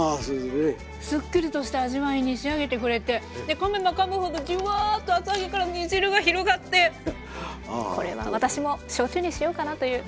すっきりとした味わいに仕上げてくれてかめばかむほどジュワーッと厚揚げから煮汁が広がってこれは私も焼酎にしようかなという感じでございます。